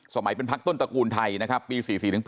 สมัยเป็นพักต้นตระกูลไทยนะครับปี๔๔ถึง๘